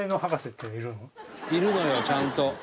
いるのよちゃんと。